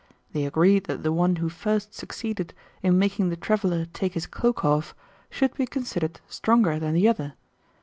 They agreed that the one who first succeeded in making the traveler take his cloak off should be considered stronger than the other.